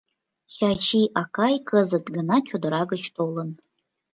Чачи акай кызыт гына чодыра гыч толын...»